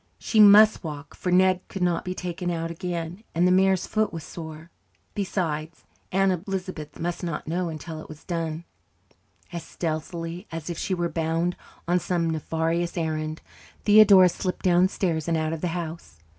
She muse walk, for Ned could not be taken out again, and the mare's foot was sore. Besides, Aunt Elizabeth must not know until it was done. As stealthily as if she were bound on some nefarious errand, Theodora slipped downstairs and out of the house.